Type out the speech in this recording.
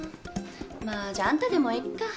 まぁじゃあんたでもいいか。